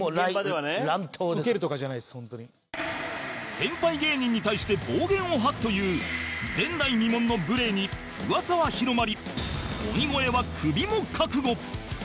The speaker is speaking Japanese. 先輩芸人に対して暴言を吐くという前代未聞の無礼に噂は広まり鬼越はクビも覚悟